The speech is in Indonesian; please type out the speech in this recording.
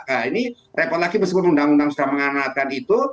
nah ini repot lagi meskipun undang undang sudah menganalkan itu